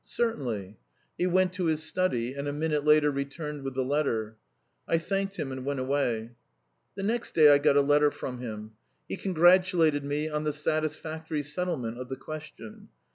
"Certainly." He went to his study, and a minute later returned with the letter. I thanked him and went away. The next day I got a letter from him. He congratulated me on the satisfactory settlement of the question.